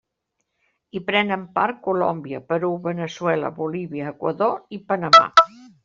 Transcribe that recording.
Hi prenen part Colòmbia, Perú, Veneçuela, Bolívia, Equador i Panamà.